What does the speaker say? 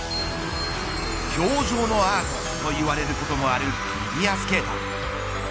氷上のアートといわれることもあるフィギュアスケート。